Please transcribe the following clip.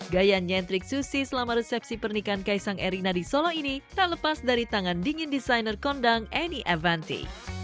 gaya nyentrik susi selama resepsi pernikahan kaisang erina di solo ini tak lepas dari tangan dingin desainer kondang annie avanti